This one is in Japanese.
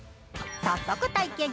早速体験。